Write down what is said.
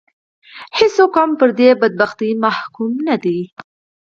هېڅوک هم پر بدبختي محکوم نه دي